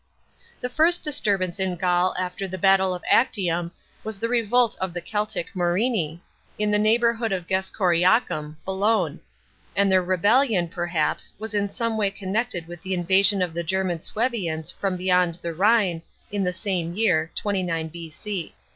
§ 3. The first disturbance in Gaul after the battle of Actium was the revolt of the Celtic Morini, in the neighbourhood of Gesoriacum (Boulogne); and their rebellion, perhaps, was in some way con nected with the invasion of the German Suevians from beyond the Rhine, in the same year (29 B.C.).